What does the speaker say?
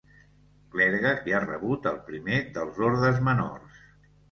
Clergue que ha rebut el primer dels ordes menors.